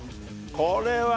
これは。